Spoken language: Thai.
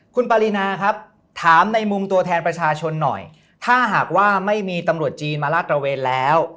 คุณปรินาครับถามในมุมตัวแทนประชาชนหน่อยถ้าหากว่าไม่มีตำรวจจีนมาลาดตระเวนแล้ว